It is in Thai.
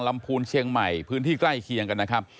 พูนเชียงใหม่พื้นที่ใกล้เคียงกันนะครับ